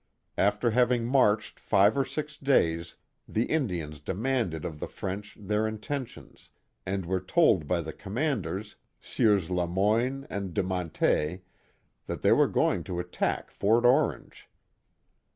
After having marched five or six days, the Indians demanded of the French their intentions, and were told by the comman ders, Sieurs La Moyne and De Mantet, that they were going to attack Fort Orange.